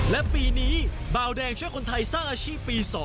และปีนี้บาวแดงช่วยคนไทยสร้างอาชีพปี๒